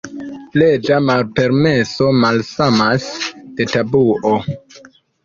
Leĝa malpermeso malsamas de tabuo.